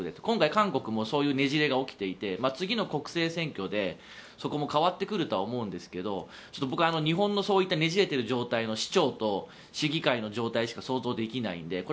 今回、韓国もそういうねじれが起きていて次の国政選挙でそこも変わってくると思いますが日本のそういったねじれている状態の市長と市議会の状態しか想像できないので。